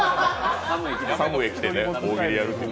作務衣着て大喜利やるっていう。